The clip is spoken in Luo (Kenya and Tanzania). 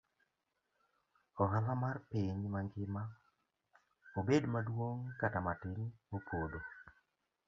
Ohala mar piny mangima, obed maduong' kata matin opodho.